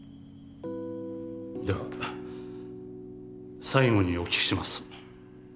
では最後にお聞きします。